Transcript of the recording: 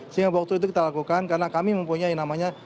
sehingga waktu itu kita lakukan karena kami mempunyai namanya